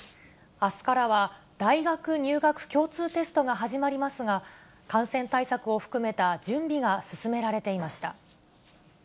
あすからは大学入学共通テストが始まりますが、感染対策を含めた準備が進められていました。